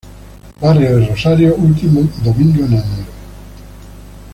Barrio de Rosario último domingo de enero.